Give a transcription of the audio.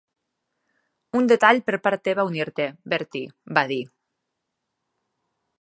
"Un detall per part teva unir-te, Bertie", va dir.